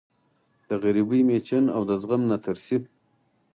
د غریبۍ مېچن او د زغم ناترسۍ